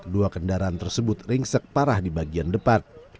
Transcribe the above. dua kendaraan tersebut ringsek parah di bagian depan